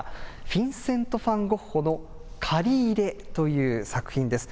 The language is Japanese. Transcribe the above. フィンセント・ファン・ゴッホの刈り入れという作品です。